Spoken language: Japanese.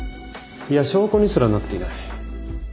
いや証拠にすらなっていない。